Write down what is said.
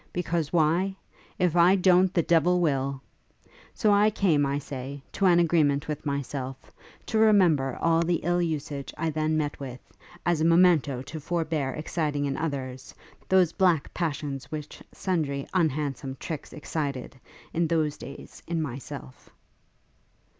because why? If I don't the devil will! So I came, I say, to an agreement with myself, to remember all the ill usage I then met with, as a memento to forbear exciting in others, those black passions which sundry unhandsome tricks excited, in those days, in myself.'